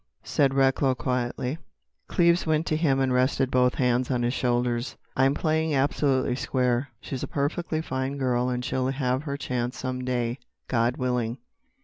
said Recklow quietly. Cleves went to him and rested both hands on his shoulders: "I'm playing absolutely square. She's a perfectly fine girl and she'll have her chance some day, God willing."